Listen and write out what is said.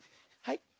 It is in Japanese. はい。